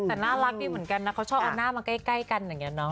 แต่น่ารักดีเหมือนกันนะเขาชอบเอาหน้ามาใกล้กันอย่างนี้เนาะ